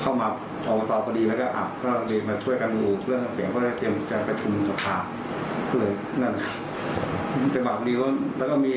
เขาอยู่นั่นก็พอดีว่าน้องเขามาหลากพี่ที่อะไรอย่างนี้